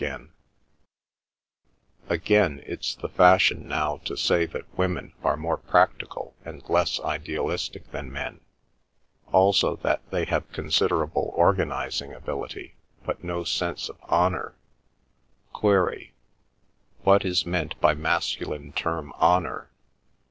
"'Again, it's the fashion now to say that women are more practical and less idealistic than men, also that they have considerable organising ability but no sense of honour'—query, what is meant by masculine term, honour?